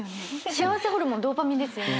幸せホルモンドーパミンですよね？